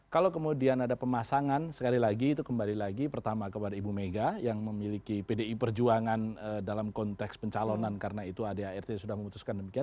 kalau kemudian ada pemasangan sekali lagi itu kembali lagi pertama kepada ibu mega yang memiliki pdi perjuangan dalam konteks pencalonan karena itu adart sudah memutuskan demikian